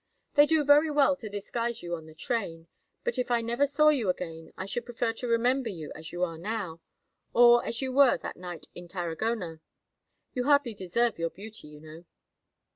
"They do very well to disguise you on the train; but if I never saw you again I should prefer to remember you as you are now—or as you were that night in Tarragona. You hardly deserve your beauty, you know."